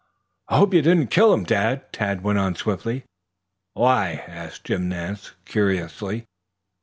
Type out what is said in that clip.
"I hope you didn't kill him, Dad," Tad went on swiftly. "Why?" asked Jim Nance curiously.